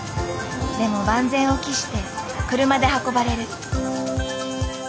でも万全を期して車で運ばれる。